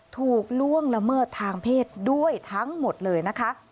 ล่วงละเมิดทางเพศด้วยทั้งหมดเลยนะคะ